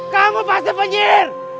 kamu pasir penyiir